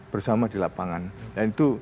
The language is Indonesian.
bersama di lapangan nah itu